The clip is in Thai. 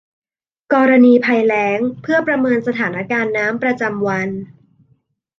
กรณีภัยแล้งเพื่อประเมินสถานการณ์น้ำประจำวัน